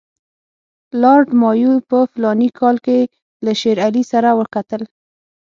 لارډ مایو په فلاني کال کې له شېر علي سره وکتل.